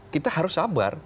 kita harus sabar